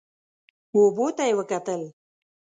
اوبو ته یې وکتل.